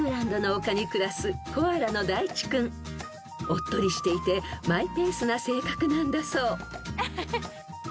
［おっとりしていてマイペースな性格なんだそう］